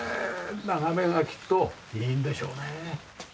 眺めがきっといいんでしょうね。